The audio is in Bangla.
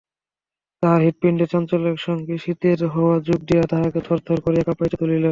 তাহার হৃৎপিণ্ডের চাঞ্চল্যের সঙ্গে শীতের হাওয়া যোগ দিয়া তাহাকে থরথর করিয়া কাঁপাইয়া তুলিল।